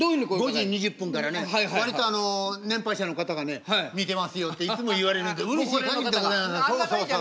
５時２０分からね割と年配者の方がね「見てますよ」っていつも言われるんでうれしいかぎりでございます。